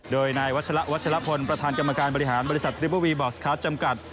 โดยนายวัชละวัชลพลประธานกรรมการบริหารบริษัททริปเปอร์วีบอสคาร์ดจำกัด